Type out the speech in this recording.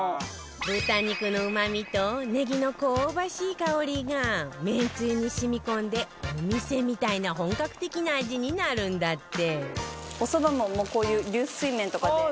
豚肉のうまみとネギの香ばしい香りがめんつゆに染み込んでお店みたいな本格的な味になるんだって松本：お蕎麦もこういう流水麺とかで。